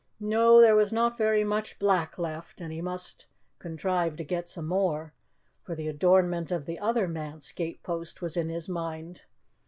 No, there was not very much black left, and he must contrive to get some more, for the adornment of the other manse gatepost was in his mind.